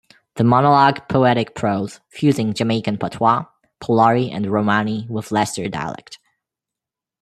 The monologue poetic prose, fusing Jamaican Patois, Polari and Romany with Leicester dialect.